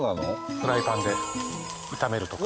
フライパンで炒めるとか。